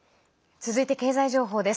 続いて経済情報です。